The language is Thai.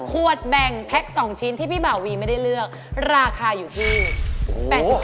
ขวดแบ่งแพ็ค๒ชิ้นที่พี่บ่าวีไม่ได้เลือกราคาอยู่ที่๘๐บาท